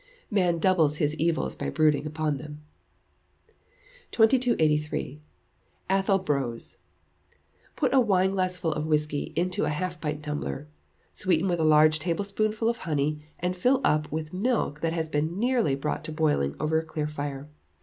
[MAN DOUBLES HIS EVILS BY BROODING UPON THEM.] 2283. Athol Brose. Put a wineglassful of whisky into a half pint tumbler; sweeten with a large teaspoonful of honey, and fill up with milk that has been nearly brought to boiling over a clear fire.